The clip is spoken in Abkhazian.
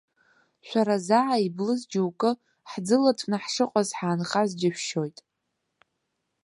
Шәара, заа иблыз џьоукы, ҳӡылаҵәны ҳшыҟаз ҳаанхаз џьышәшьоит.